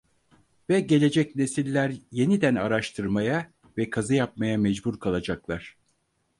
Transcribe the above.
Ve gelecek nesiller yeniden araştırmaya ve kazı yapmaya mecbur kalacaklar!